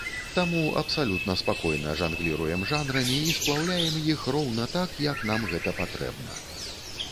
Таму абсалютна спакойна жангліруем жанрамі і сплаўляем іх роўна так, як нам гэта патрэбна.